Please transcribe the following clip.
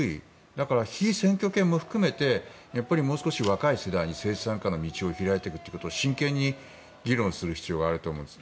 だから被選挙権も含めてもう少し若い世代に政治参加の道を開いていくことを真剣に議論する必要があると思うんです。